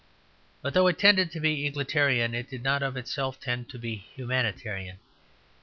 But though it tended to be egalitarian it did not, of itself, tend to be humanitarian.